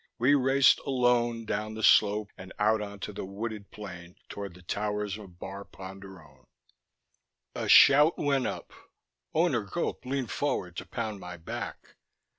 We raced alone down the slope and out onto the wooded plain toward the towers of Bar Ponderone. A shout went up; Owner Gope leaned forward to pound my back.